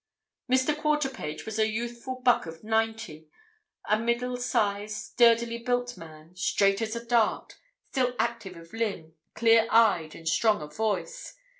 Mr. Quarterpage was a youthful buck of ninety—a middle sized, sturdily built man, straight as a dart, still active of limb, clear eyed, and strong of voice.